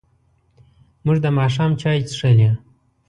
موږ د ماښام چای څښلی.